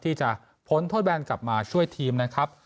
ที่จะพ้นโทษแบนกลับมาช่วยทีมนะครับ